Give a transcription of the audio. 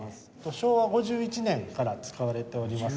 昭和５１年から使われております。